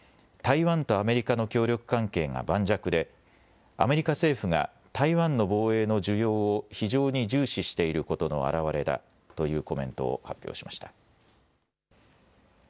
台湾とアメリカの協力関係が盤石で、アメリカ政府が台湾の防衛の需要を非常に重視していることの表れだというコメントを発表しました。